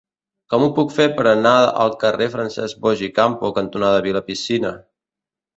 Com ho puc fer per anar al carrer Francesc Boix i Campo cantonada Vilapicina?